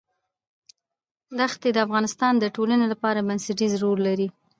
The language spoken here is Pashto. ښتې د افغانستان د ټولنې لپاره بنسټيز رول لري.